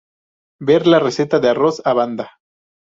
Ver la receta de Arroz a banda